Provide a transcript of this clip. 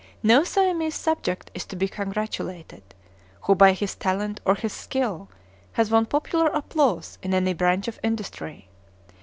No Siamese subject is to be congratulated, who by his talent or his skill has won popular applause in any branch of industry.